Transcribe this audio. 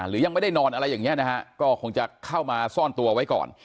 หรือยังไม่ได้นอนอะไรอย่างนี้นะฮะก็คงจะเข้ามาซ่อนตัวไว้ก่อน